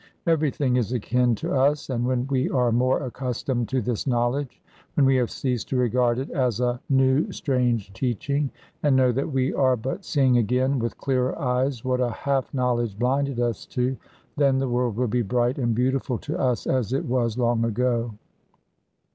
Everything is akin to us, and when we are more accustomed to this knowledge, when we have ceased to regard it as a new, strange teaching, and know that we are but seeing again with clearer eyes what a half knowledge blinded us to, then the world will be bright and beautiful to us as it was long ago.